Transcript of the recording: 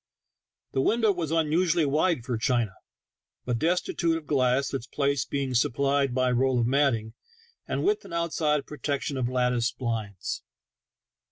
The window was unusually wide for China, but destitute of glass, its place being supplied by a roll of matting, and with an outside protection of lattice blinds.